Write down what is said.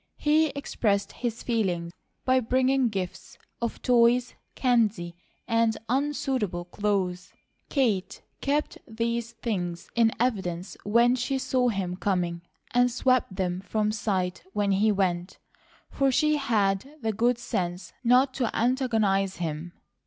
He expressed his feeling by bringing gifts of toys, candy, and unsuitable clothes. Kate kept these things in evidence when she saw him coming and swept them from sight when he went; for she had the good sense not to antagonize him.